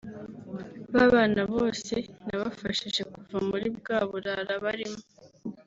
Ba bana bose nabafashije kuva muri bwa burara barimo